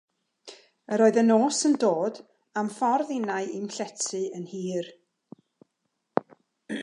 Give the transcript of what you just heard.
Yr oedd y nos yn dod, a'm ffordd innau i'm llety yn hir.